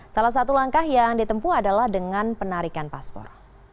salah satu langkah yang ditempu adalah dengan penarikan paspor